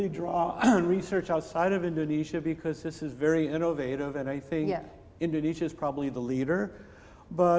saya tidak bisa mencari penelitian di luar indonesia karena ini sangat inovatif dan saya pikir indonesia mungkin adalah pemimpin